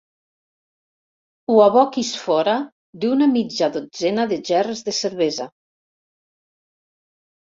Ho aboquis fora d'una mitja dotzena de gerres de cervesa.